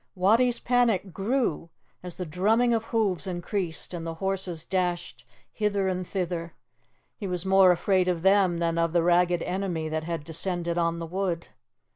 Wattie's panic grew as the drumming of hoofs increased and the horses dashed hither and thither. He was more afraid of them than of the ragged enemy that had descended on the wood.